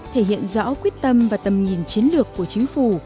thể hiện rõ quyết tâm và tầm nhìn chiến lược của chính phủ